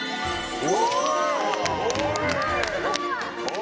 お！